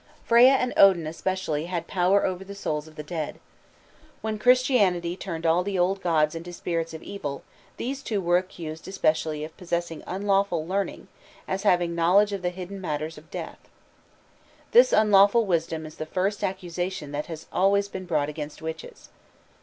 _ Freya and Odin especially had had power over the souls of the dead. When Christianity turned all the old gods into spirits of evil, these two were accused especially of possessing unlawful learning, as having knowledge of the hidden matters of death. This unlawful wisdom is the first accusation that has always been brought against witches.